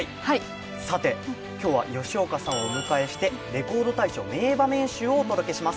今日は吉岡さんをお迎えして、「レコード大賞」名場面集をお伝えします。